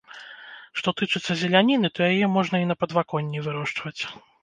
Што тычыцца зеляніны, то яе можна і на падваконні вырошчваць.